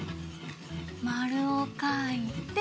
まるをかいて。